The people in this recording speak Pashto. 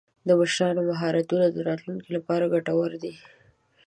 د مشرۍ مهارتونه د راتلونکي لپاره ګټور دي.